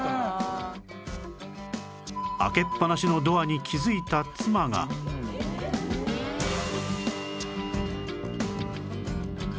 開けっぱなしのドアに気づいた妻がああ！